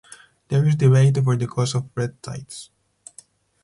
There is debate over the cause of red tides.